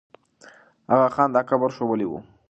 آغا خان دا قبر ښوولی وو.